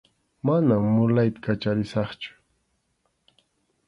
Manam mulayta kacharisaqchu.